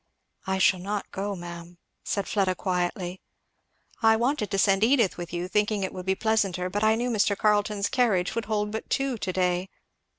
"I shall not go, ma'am," said Fleda quietly. "I wanted to send Edith with you, thinking it would be pleasanter; but I knew Mr. Carleton's carriage would hold but two to day.